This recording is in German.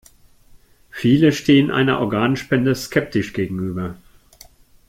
Viele stehen einer Organspende skeptisch gegenüber.